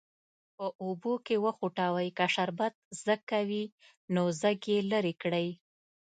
په اوبو کې وخوټوئ که شربت ځګ کوي نو ځګ یې لرې کړئ.